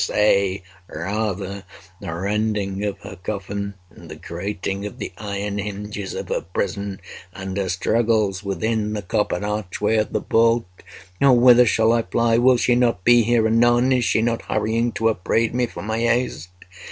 —say, rather, the rending of her coffin, and the grating of the iron hinges of her prison, and her struggles within the coppered archway of the vault! Oh whither shall I fly? Will she not be here anon? Is she not hurrying to upbraid me for my haste?